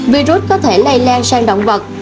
virus có thể lây lan sang động vật